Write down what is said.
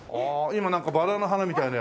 今なんかバラの花みたいなのを。